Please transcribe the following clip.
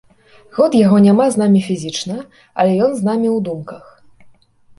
Год яго няма з намі фізічна, але ён з намі ў думках.